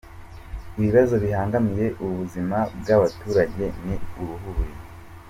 Ibibazo bibangamiye ubuzima bw’aba baturage ni uruhuri.